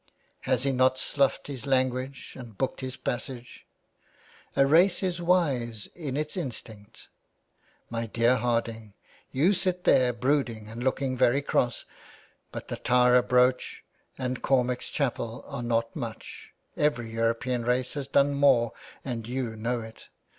Has he not sloughed his language and booked his passage ? A race is wise in its instinct. My dear Harding, you sit there brooding and looking very cross. But the Tara brooch and Cormac's chapel are not much ; every European race has done more, and you know it.